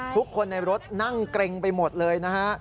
ทุกคนในรถนั่งเกร็งไปหมดเลยนะฮะ